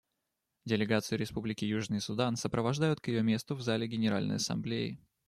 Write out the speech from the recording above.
Делегацию Республики Южный Судан сопровождают к ее месту в зале Генеральной Ассамблеи.